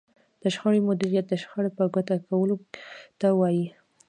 د شخړې مديريت د شخړې په ګوته کولو ته وايي.